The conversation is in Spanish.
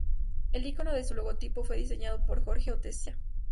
El icono de su logotipo fue diseñado por Jorge Oteiza.